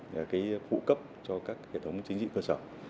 và phụ cấp cho các hệ thống chính trị cơ sở